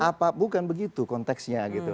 apa bukan begitu konteksnya gitu